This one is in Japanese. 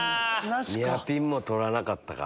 ニアピンも取らなかったか。